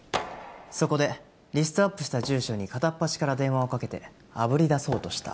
そこでリストアップした住所に片っ端から電話をかけてあぶり出そうとした。